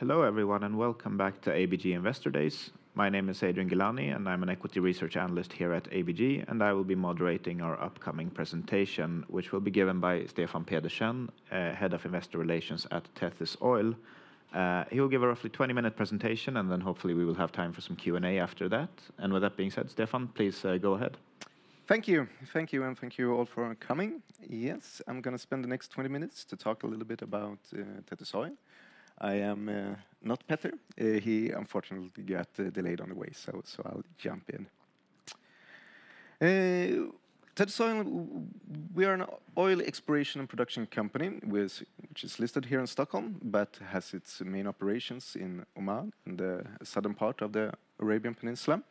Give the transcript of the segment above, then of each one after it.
Hello, everyone, and welcome back to ABG Investor Days. My name is Adrian Gilani, and I'm an equity research analyst here at ABG, and I will be moderating our upcoming presentation, which will be given by Stefan Pedersen, head of investor relations at Tethys Oil. He will give a roughly 20-minute presentation, and then hopefully we will have time for some Q&A after that. And with that being said, Stefan, please, go ahead. Thank you. Thank you, and thank you all for coming. Yes, I'm going to spend the next 20 minutes to talk a little bit about Tethys Oil. I am not Petter. He unfortunately got delayed on the way, so I'll jump in. Tethys Oil, we are an oil exploration and production company which is listed here in Stockholm, but has its main operations in Oman, in the southern part of the Arabian Peninsula.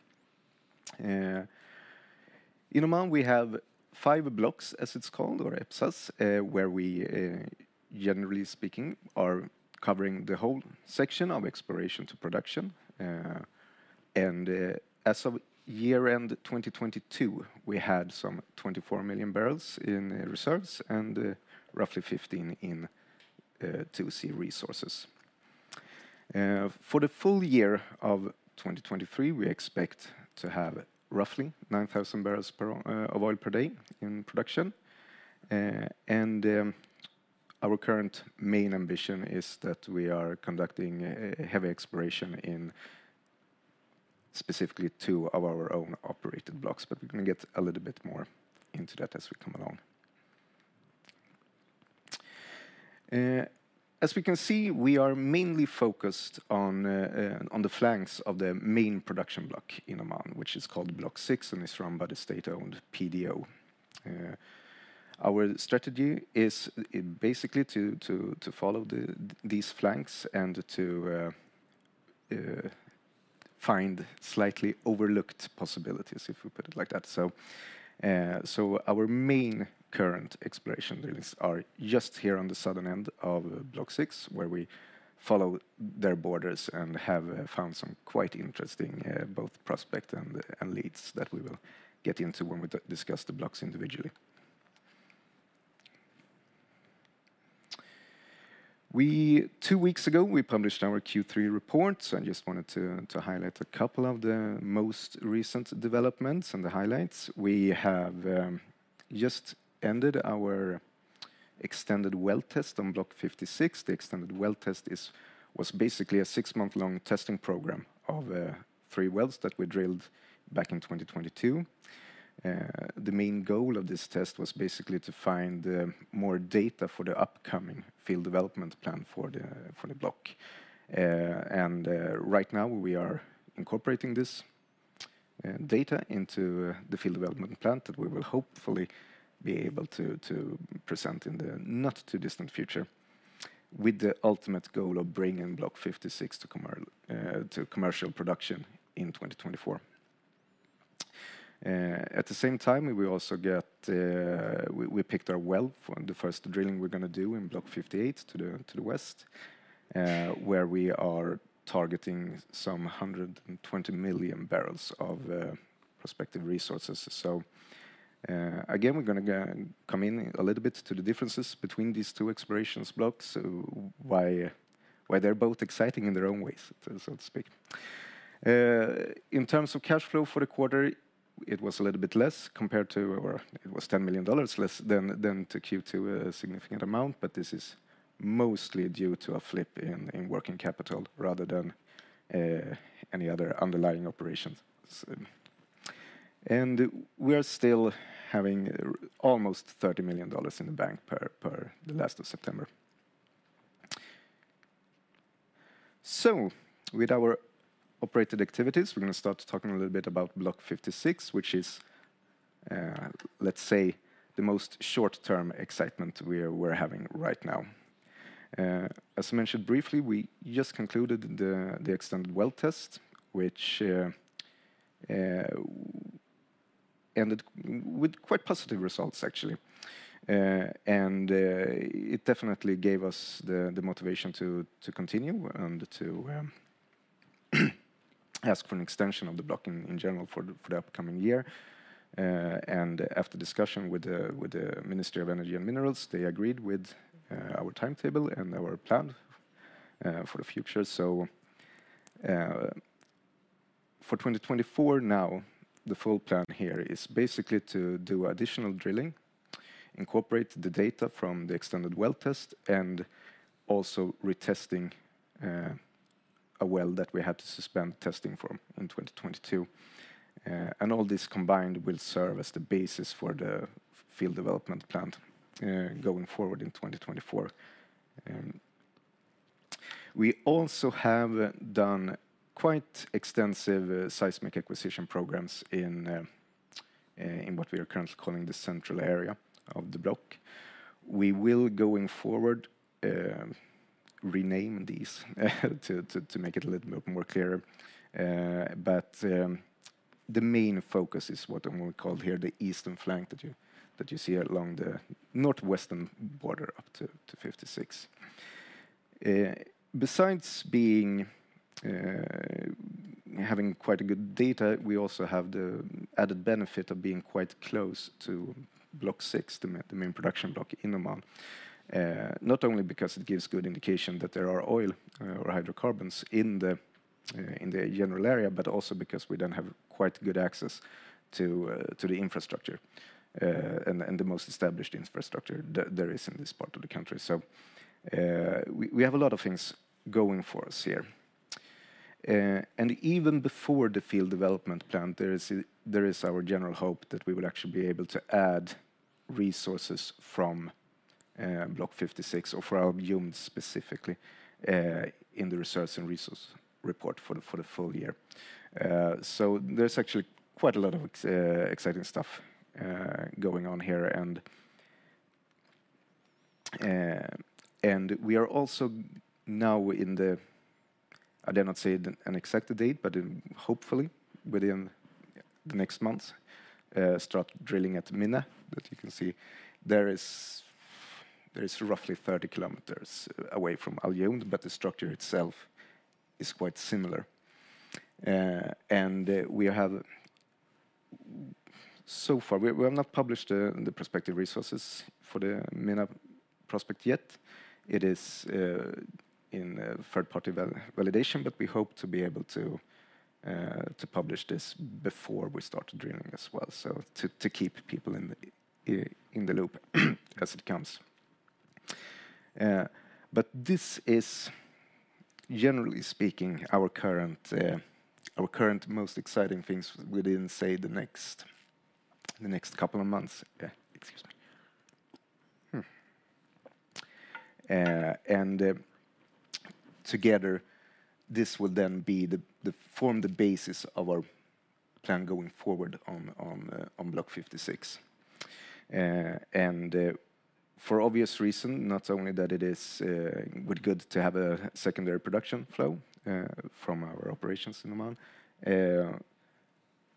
In Oman, we have 5 blocks, as it's called, or EPSA, where we generally speaking are covering the whole section of exploration to production. And as of year end 2022, we had some 24 million barrels in reserves and roughly 15 in 2C resources. For the full year of 2023, we expect to have roughly 9,000 barrels per day of oil in production. And our current main ambition is that we are conducting a heavy exploration in specifically two of our own operated blocks, but we're going to get a little bit more into that as we come along. As we can see, we are mainly focused on the flanks of the main production block in Oman, which is called Block VI and is run by the state-owned PDO. Our strategy is basically to follow these flanks and to find slightly overlooked possibilities, if we put it like that. So our main current exploration drills are just here on the southern end of Block VI, where we follow their borders and have found some quite interesting both prospect and leads that we will get into when we discuss the blocks individually. Two weeks ago, we published our Q3 report. I just wanted to highlight a couple of the most recent developments and the highlights. We have just ended our extended well test on Block 56. The extended well test was basically a 6-month-long testing program of 3 wells that we drilled back in 2022. The main goal of this test was basically to find more data for the upcoming field development plan for the block. Right now, we are incorporating this data into the field development plan that we will hopefully be able to present in the not-too-distant future, with the ultimate goal of bringing Block 56 to commercial production in 2024. At the same time, we will also get... We picked our well for the first drilling we're going to do in Block 58, to the west, where we are targeting 120 million barrels of prospective resources. So, again, we're going to go and come in a little bit to the differences between these two exploration blocks, so why they're both exciting in their own ways, so to speak. In terms of cash flow for the quarter, it was a little bit less compared to... or it was $10 million less than to Q2, a significant amount, but this is mostly due to a flip in working capital rather than any other underlying operations. So, and we are still having almost $30 million in the bank per the last of September. So with our operated activities, we're going to start talking a little bit about Block 56, which is, let's say, the most short-term excitement we're having right now. As mentioned briefly, we just concluded the Extended Well Test, which ended with quite positive results, actually. And it definitely gave us the motivation to continue and to ask for an extension of the block in general for the upcoming year. After discussion with the Ministry of Energy and Minerals, they agreed with our timetable and our plan for the future. So, for 2024 now, the full plan here is basically to do additional drilling, incorporate the data from the extended well test, and also retesting a well that we had to suspend testing from in 2022. And all this combined will serve as the basis for the field development plan going forward in 2024. We also have done quite extensive seismic acquisition programs in what we are currently calling the central area of the block. We will, going forward, rename these to make it a little more clearer. But the main focus is what we call here, the eastern flank that you, that you see along the northwestern border up to 56. Besides having quite a good data, we also have the added benefit of being quite close to Block 6, the main production block in Oman. Not only because it gives good indication that there are oil or hydrocarbons in the general area, but also because we then have quite good access to the infrastructure and the most established infrastructure that there is in this part of the country. We have a lot of things going for us here. Even before the field development plan, there is our general hope that we will actually be able to add resources from Block 56 or for Al Jumd, specifically, in the reserves and resource report for the full year. So there's actually quite a lot of exciting stuff going on here. And we are also now in the... I dare not say an exact date, but hopefully within the next month, start drilling at Menna, that you can see. There is roughly 30 km away from Al Jumd, but the structure itself is quite similar. And we have so far... We have not published the prospective resources for the Menna prospect yet. It is in a third-party validation, but we hope to be able to publish this before we start drilling as well, so to keep people in the loop as it comes. But this is, generally speaking, our current most exciting things within, say, the next couple of months. And together, this will then form the basis of our plan going forward on Block 56. For obvious reason, not only that it is good to have a secondary production flow from our operations in Oman,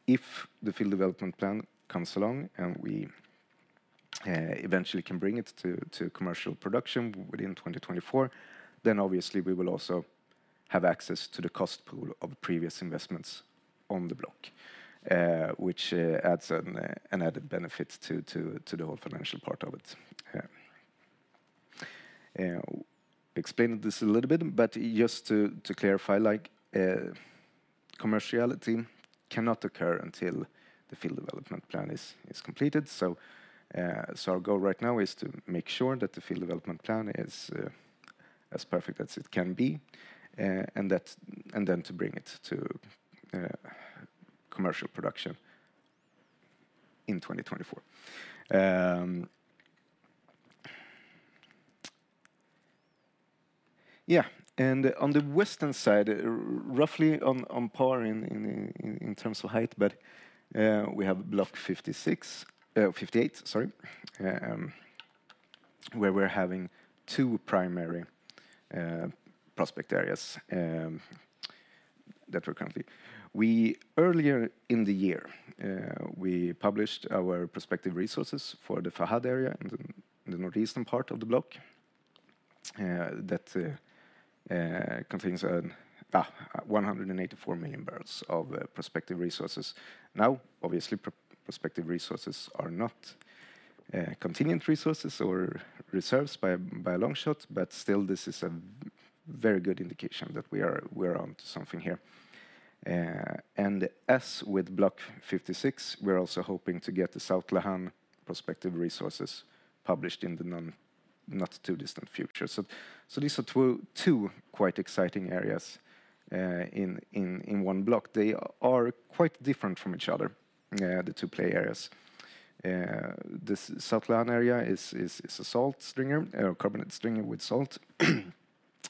if the field development plan comes along and we eventually can bring it to commercial production within 2024, then obviously we will also have access to the cost pool of previous investments on the block, which adds an added benefit to the whole financial part of it. Yeah. Explained this a little bit, but just to clarify, like, commerciality cannot occur until the field development plan is completed. So, our goal right now is to make sure that the field development plan is as perfect as it can be, and then to bring it to commercial production in 2024. Yeah, and on the western side, roughly on par in terms of height, but we have Block 56, fifty-eight, sorry, where we're having two primary prospect areas that we're currently... Earlier in the year, we published our prospective resources for the Fahad area in the northeastern part of the block that contains 184 million barrels of prospective resources. Now, obviously, prospective resources are not contingent resources or reserves by a long shot, but still, this is a very good indication that we are onto something here. And as with Block 56, we're also hoping to get the South Lahan prospective resources published in the not too distant future. So these are two quite exciting areas in one block. They are quite different from each other, the two play areas. This South Lahan area is a salt stringer, carbonate stringer with salt,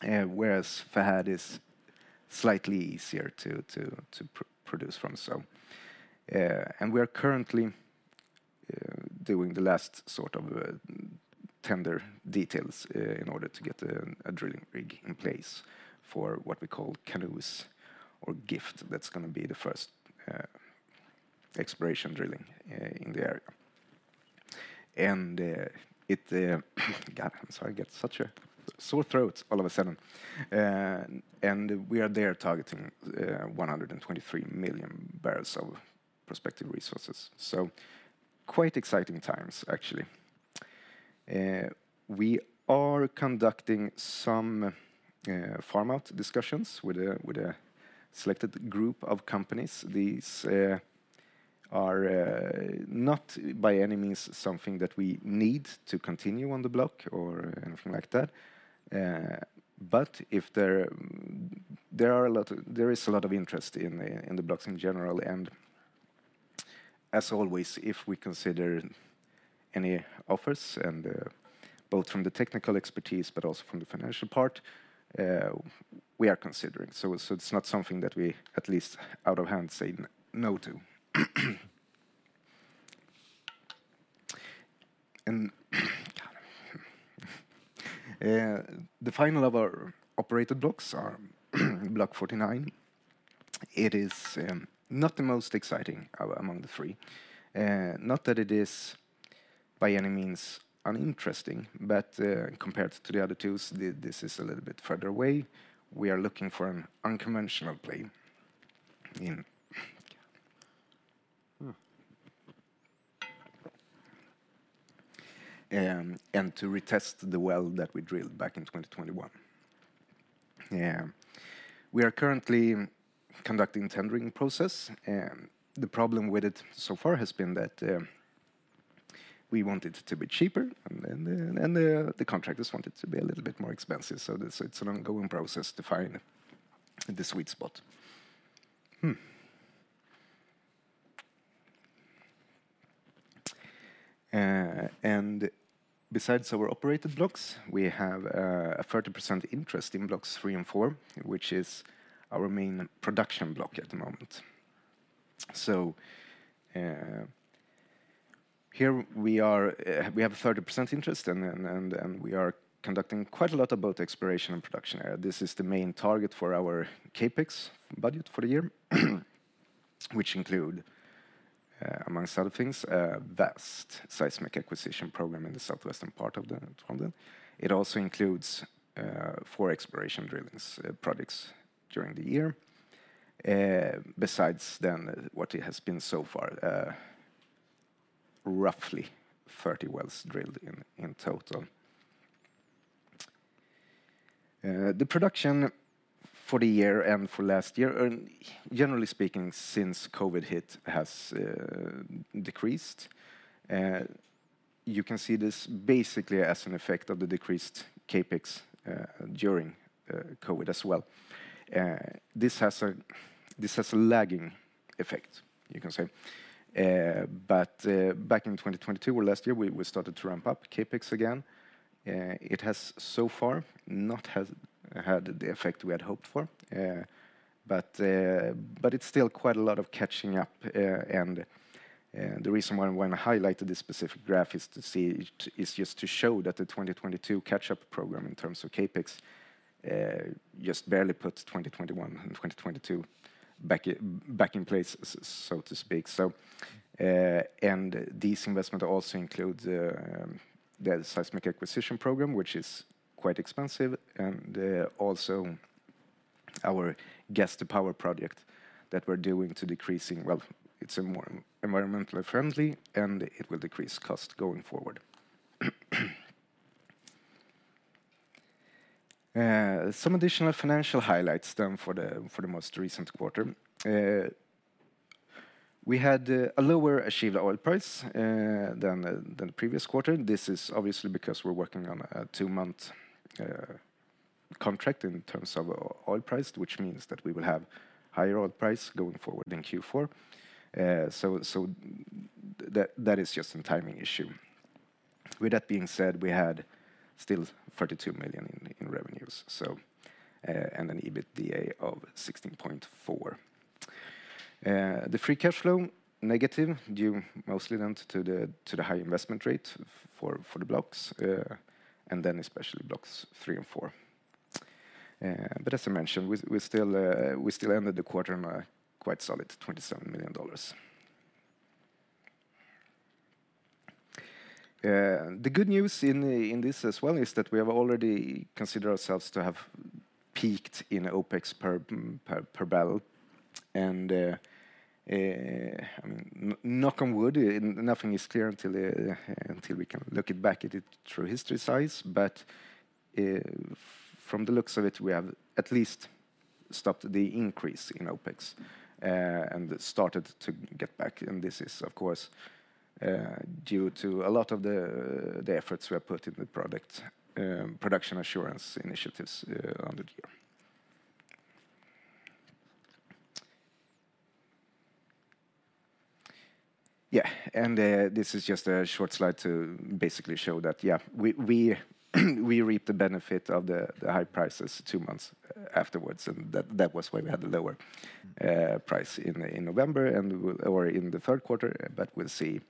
whereas Fahad is slightly easier to produce from. And we are currently doing the last sort of tender details in order to get a drilling rig in place for what we call Canoe or Gift. That's gonna be the first exploration drilling in the area. And God, I'm sorry, I get such a sore throat all of a sudden. And we are there targeting 123 million barrels of prospective resources. So quite exciting times, actually. We are conducting some farm out discussions with a selected group of companies. These are not by any means something that we need to continue on the block or anything like that. But there is a lot of interest in the blocks in general. As always, if we consider any offers and both from the technical expertise but also from the financial part, we are considering. So it's not something that we at least out of hand say no to. And the final of our operator blocks are Block 49. It is not the most exciting one among the three. Not that it is by any means uninteresting, but compared to the other two, this is a little bit further away. We are looking for an unconventional play, and to retest the well that we drilled back in 2021. We are currently conducting tendering process, the problem with it so far has been that, we want it to be cheaper, and then, and the, the contractors want it to be a little bit more expensive. It's an ongoing process to find the sweet spot. And besides our operator blocks, we have a 30% interest in Blocks 3 and 4, which is our main production block at the moment. So, here we are, we have a 30% interest, and we are conducting quite a lot of both exploration and production. This is the main target for our CapEx budget for the year, which include, amongst other things, a vast seismic acquisition program in the southwestern part of the Tronden. It also includes, four exploration drillings, products during the year. Besides then, what it has been so far, roughly 30 wells drilled in, in total. The production for the year and for last year, generally speaking, since COVID hit, has, decreased. You can see this basically as an effect of the decreased CapEx, during, COVID as well. This has a, this has a lagging effect, you can say. But, back in 2022 or last year, we, we started to ramp up CapEx again. It has so far not had the effect we had hoped for, but it's still quite a lot of catching up. The reason why I want to highlight this specific graph is just to show that the 2022 catch-up program, in terms of CapEx, just barely put 2021 and 2022 back in place, so to speak. These investment also includes the seismic acquisition program, which is quite expensive, and also our gas to power project that we're doing to decreasing. Well, it's a more environmentally friendly, and it will decrease cost going forward. Some additional financial highlights then for the most recent quarter. We had a lower achieved oil price than the previous quarter. This is obviously because we're working on a two-month contract in terms of oil price, which means that we will have higher oil price going forward in Q4. So, so that is just a timing issue. With that being said, we had still $32 million in revenues, so, and an EBITDA of $16.4 million. The free cash flow, negative, due mostly down to the high investment rate for the blocks, and then especially blocks 3 and 4. But as I mentioned, we, we still, we still ended the quarter on a quite solid $27 million. The good news in this as well is that we have already considered ourselves to have peaked in Opex per barrel. And, knock on wood, nothing is clear until we can look back at it through hindsight. But, from the looks of it, we have at least stopped the increase in Opex, and started to get back. And this is, of course, due to a lot of the efforts we have put in the production assurance initiatives over the year. Yeah, and, this is just a short slide to basically show that, yeah, we reap the benefit of the high prices two months afterwards, and that was why we had the lower price in November or in the third quarter, but we'll see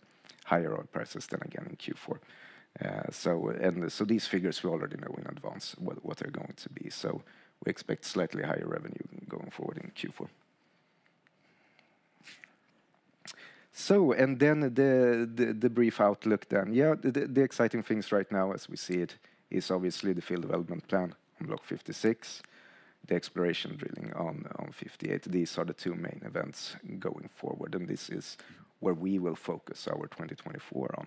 higher oil prices then again in Q4. So and so these figures we already know in advance what they're going to be, so we expect slightly higher revenue going forward in Q4. So, the brief outlook then. Yeah, the exciting things right now as we see it, is obviously the field development plan in Block 56, the exploration drilling on 58. These are the two main events going forward, and this is where we will focus our 2024 on.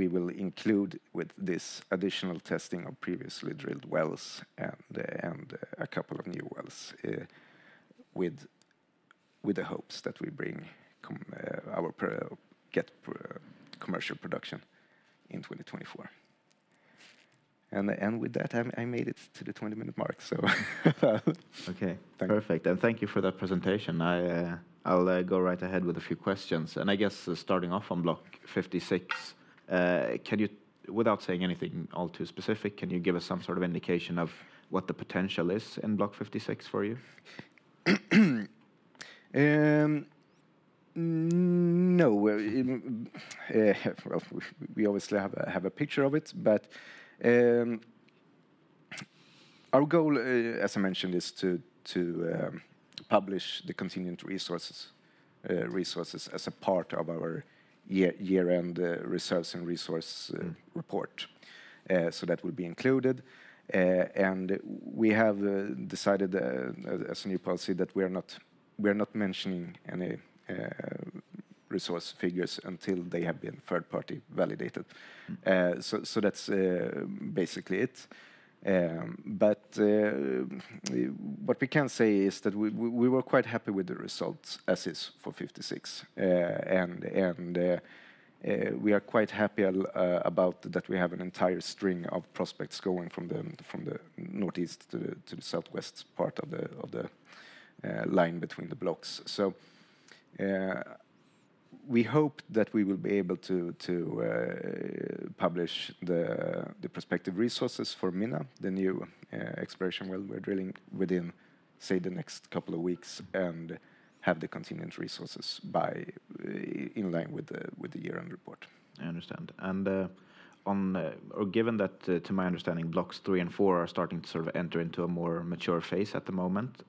We will include with this additional testing of previously drilled wells and a couple of new wells, with the hopes that we bring commercial production in 2024. And with that, I made it to the 20-minute mark, so. Okay, perfect. Thank you for that presentation. I'll go right ahead with a few questions. I guess starting off on Block 56, can you... Without saying anything all too specific, can you give us some sort of indication of what the potential is in Block 56 for you? No, well, we obviously have a picture of it, but... Our goal, as I mentioned, is to publish the contingent resources as a part of our year-end reserves and resources report. So that will be included. And we have decided, as a new policy, that we are not mentioning any resource figures until they have been third-party validated. So that's basically it. But what we can say is that we were quite happy with the results as is for 56. We are quite happy about that we have an entire string of prospects going from the northeast to the southwest part of the line between the blocks. So, we hope that we will be able to publish the prospective resources for Menna, the new exploration well we're drilling, within, say, the next couple of weeks, and have the contingent resources by, in line with the year-end report. I understand. Given that, to my understanding, Blocks 3 and 4 are starting to sort of enter into a more mature phase at the moment,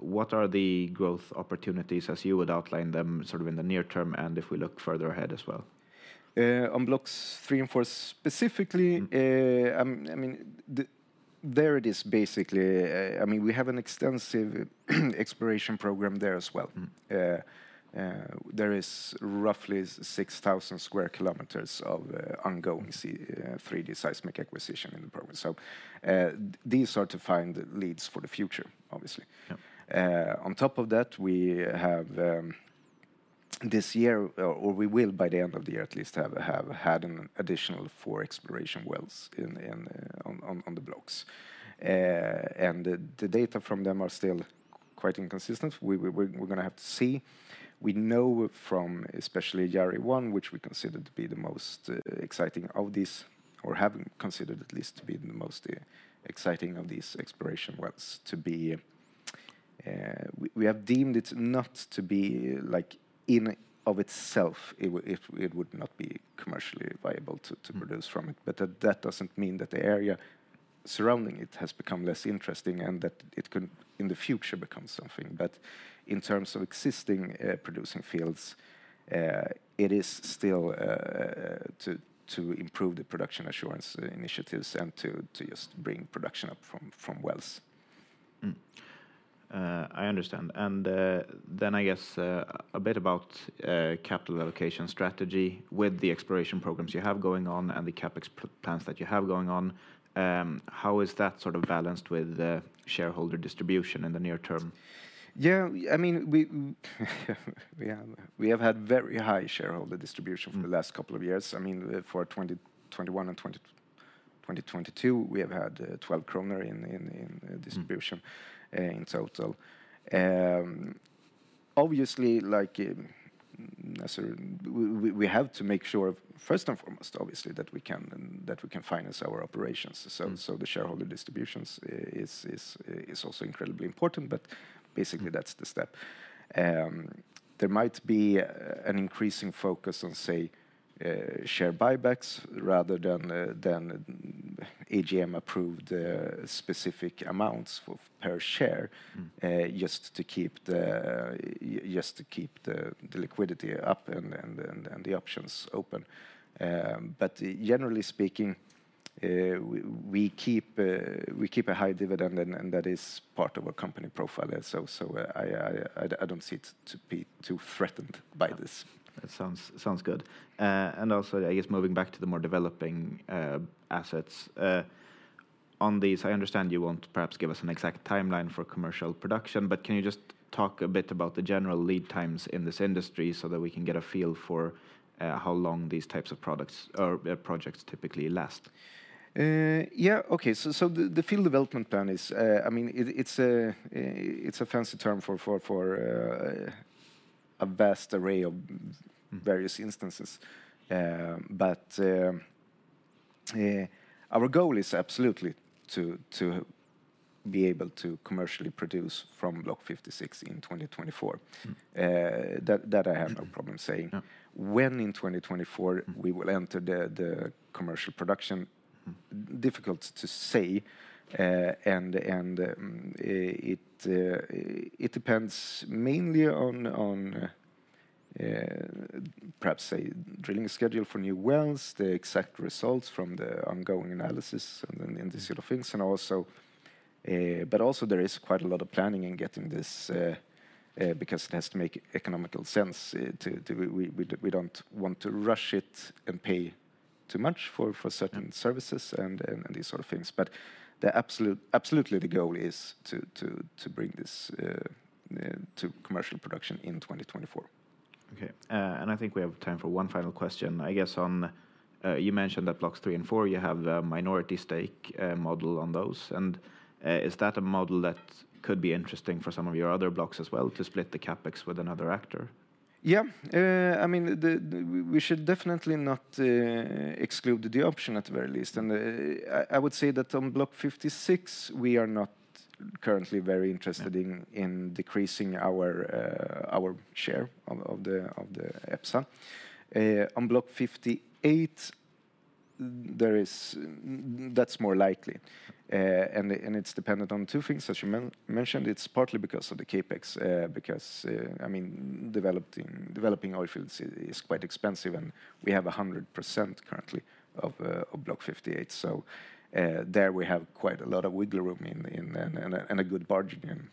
what are the growth opportunities as you would outline them, sort of in the near term, and if we look further ahead as well? On Blocks 3 and 4 specifically- Mm-hmm... I mean, there it is basically. I mean, we have an extensive exploration program there as well. Mm-hmm. There is roughly 6,000 sq km of ongoing 3D seismic acquisition in the program. So, these are to find leads for the future, obviously. Yeah. On top of that, we have this year, or we will by the end of the year at least, have had an additional 4 exploration wells in on the blocks. And the data from them are still quite inconsistent. We're gonna have to see. We know from especially Jary 1, which we consider to be the most exciting of these, or have considered at least to be the most exciting of these exploration wells to be. We have deemed it not to be like in and of itself, if it would not be commercially viable to produce from it. But that doesn't mean that the area surrounding it has become less interesting, and that it could, in the future, become something. In terms of existing producing fields, it is still to improve the production assurance initiatives and to just bring production up from wells. I understand. Then I guess a bit about capital allocation strategy. With the exploration programs you have going on and the CapEx plans that you have going on, how is that sort of balanced with the shareholder distribution in the near term? Yeah, I mean, we have had very high shareholder distribution- Mm... for the last couple of years. I mean, for 2021 and 2022, we have had 12 kronor in- Mm... distribution, in total. Obviously, like, as we, we have to make sure, first and foremost, obviously, that we can, that we can finance our operations. Mm. So, the shareholder distributions is also incredibly important, but basically, that's the step. There might be an increasing focus on, say, share buybacks rather than AGM-approved specific amounts of per share- Mm... just to keep the liquidity up and the options open. But generally speaking, we keep a high dividend, and that is part of our company profile. So, I don't see it to be too threatened by this. That sounds good. And also, I guess moving back to the more developing assets, on these, I understand you won't perhaps give us an exact timeline for commercial production, but can you just talk a bit about the general lead times in this industry, so that we can get a feel for how long these types of products or projects typically last? Yeah. Okay. So, the Field Development Plan is, I mean, it's a fancy term for a vast array of- Mm... various instances. But our goal is absolutely to be able to commercially produce from Block 56 in 2024. Mm. That I have no problem saying. No. When in 2024- Mm... we will enter the commercial production, difficult to say. And it depends mainly on, perhaps, say, drilling schedule for new wells, the exact results from the ongoing analysis, and then, and these sort of things. And also, but also, there is quite a lot of planning in getting this, because it has to make economical sense, to, we don't want to rush it and pay too much for, for certain- Mm... services and these sort of things. But absolutely, the goal is to bring this to commercial production in 2024. Okay. I think we have time for one final question. I guess on, you mentioned that Blocks 3 and 4, you have the minority stake model on those. Is that a model that could be interesting for some of your other blocks as well, to split the CapEx with another actor? Yeah. I mean, we should definitely not exclude the option at the very least. And I would say that on Block 56, we are not currently very interested- Mm... in decreasing our share of the EPSA. On Block 58, that's more likely. And it's dependent on two things, as you mentioned, it's partly because of the CapEx, because I mean, developing oil fields is quite expensive, and we have 100% currently of Block 58. So there we have quite a lot of wiggle room and a good bargaining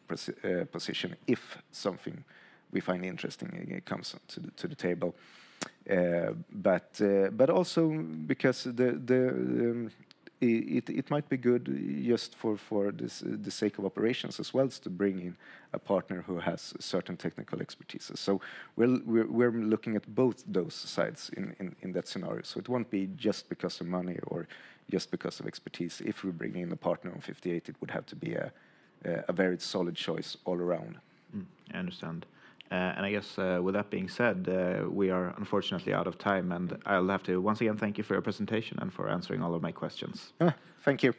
position if something we find interesting comes to the table. But also because it might be good just for this the sake of operations as well as to bring in a partner who has certain technical expertises. So we'll... We're looking at both those sides in that scenario. So it won't be just because of money or just because of expertise. If we're bringing in a partner on 58, it would have to be a very solid choice all around. Mm. I understand. And I guess, with that being said, we are unfortunately out of time, and I'll have to once again thank you for your presentation and for answering all of my questions. Yeah. Thank you.